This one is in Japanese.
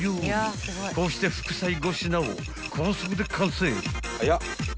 ［こうして副菜５品を高速で完成］